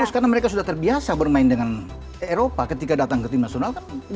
terus karena mereka sudah terbiasa bermain dengan eropa ketika datang ke tim nasional kan